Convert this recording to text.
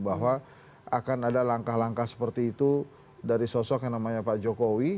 bahwa akan ada langkah langkah seperti itu dari sosok yang namanya pak jokowi